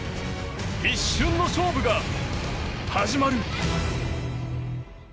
一瞬の勝負が始まる。